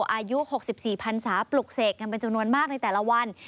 อายุ๖๔พันศาปลุกเสกกันเป็นจำนวนมากในแต่ละวัน